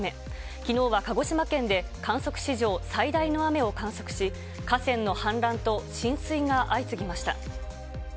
きのうは鹿児島県で、観測史上最大の雨を観測し、河川の氾濫と浸水が相次ぎました。